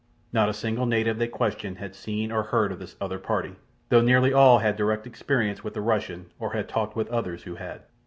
Not a single native they questioned had seen or heard of this other party, though nearly all had had direct experience with the Russian or had talked with others who had.